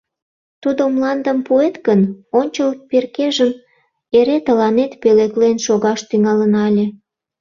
Тудо мландым пуэт гын, ончыл перкежым эре тыланет пӧлеклен шогаш тӱҥалына ыле.